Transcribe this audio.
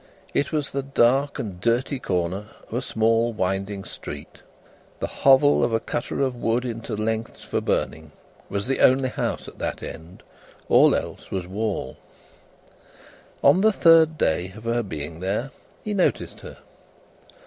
It was the dark and dirty corner of a small winding street. The hovel of a cutter of wood into lengths for burning, was the only house at that end; all else was wall. On the third day of her being there, he noticed her.